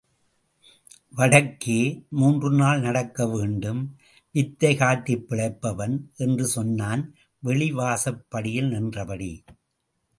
வடக்கே... மூன்று நாள் நடக்க வேண்டும்... வித்தை காட்டிப் பிழைப்பவன்!... என்று சொன்னான், வெளி வாசற்படியில் நின்றபடி.